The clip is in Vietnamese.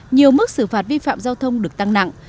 nhiều mức xử phạt vi phạm giao thông được tăng nặng